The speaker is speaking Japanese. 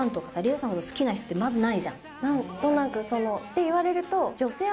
て言われると。